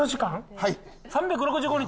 はい。